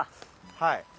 はい。